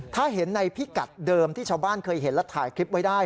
ถ้าเห็นในพิกัดเดิมที่ชาวบ้านเคยเห็นและถ่ายคลิปไว้ได้